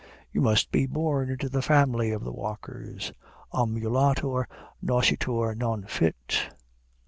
You must be born into the family of the Walkers. _Ambulator nascitur, non fit.